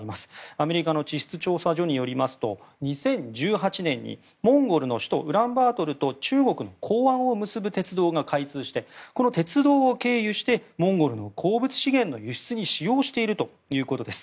アメリカの地質調査所によりますと２０１８年にモンゴルの首都ウランバートルと中国の港湾を結ぶ鉄道が開通してこの鉄道を経由してモンゴルの鉱物資源の輸出に使用しているということです。